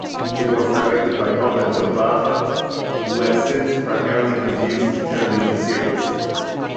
It was directed by Norberto Barba, who has since primarily produced television series.